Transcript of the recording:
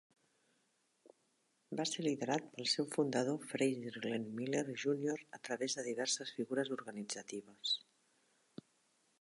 Va ser liderat pel seu fundador, Frazier Glenn Miller Junior a través de diverses figures organitzatives.